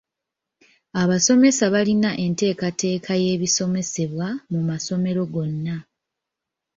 Abasomesa balina enteekateeka y’ebisomesebwa mu masomero gonna.